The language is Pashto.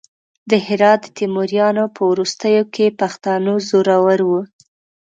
د هرات د تیموریانو په وروستیو کې پښتانه زورور وو.